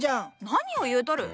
何を言うとる。